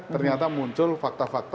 ternyata muncul fakta fakta